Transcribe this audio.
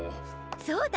そうだ！